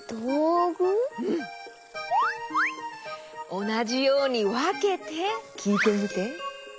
おなじようにわけてきいてみて。